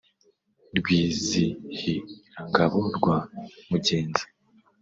Rwizihirangabo rwa Mugenza